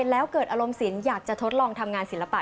แล้วเกิดอารมณ์ศิลป์อยากจะทดลองทำงานศิลปะ